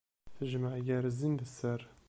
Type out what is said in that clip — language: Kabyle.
Tejmeɛ gar zzin d sser.